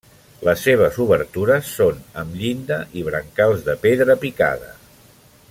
Les seves obertures són amb llinda i brancals de pedra picada.